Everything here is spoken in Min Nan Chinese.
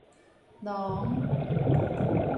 濃